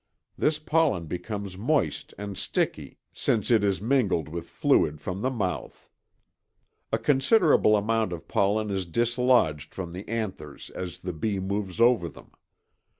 This pollen becomes moist and sticky, since it is mingled with fluid from the mouth. A considerable amount of pollen is dislodged from the anthers as the bee moves over them.